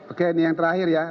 oke ini yang terakhir ya